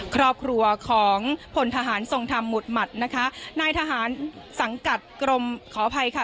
ครอบครัวของพลทหารทรงธรรมหมุดหมัดนะคะนายทหารสังกัดกรมขออภัยค่ะ